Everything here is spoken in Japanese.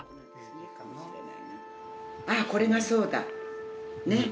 ああこれがそうだ！ねえ？